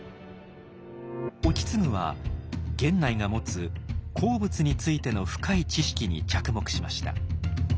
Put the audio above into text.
意次は源内が持つ鉱物についての深い知識に着目しました。